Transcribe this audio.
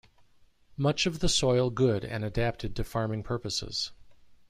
Much of the Soil good and adapted to farming purposes.